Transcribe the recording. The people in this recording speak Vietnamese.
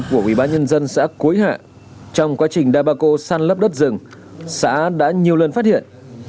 của quý bà nhân dân xã cuối hạ trong quá trình đà bà cộ săn lấp đất rừng xã đã nhiều lần phát hiện